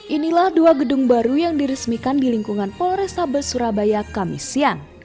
inilah dua gedung baru yang diresmikan di lingkungan polrestabes surabaya kamis siang